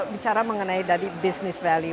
bicara mengenai tadi business value